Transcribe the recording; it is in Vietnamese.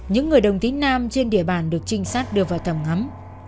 những người đồng tính nam trên địa bàn được trinh sát đưa vào tầm ngắm